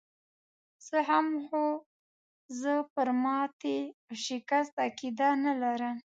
زه هم، خو زه پر ماتې او شکست عقیده نه لرم.